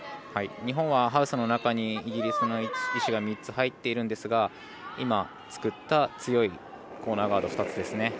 日本はハウスの中にイギリスの石が３つ入っているんですが今、作った強いコーナーガード２つですね。